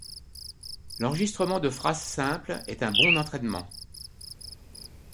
L'enregistrement de phrases simples est un bon entraînement.